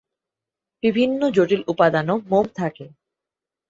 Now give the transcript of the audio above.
বিভিন্ন জটিল উপাদানও মোম থাকে।